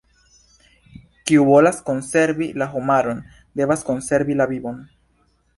Kiu volas konservi la homaron, devas konservi la vivon.